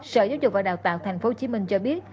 sở giáo dục và đào tạo tp hcm cho biết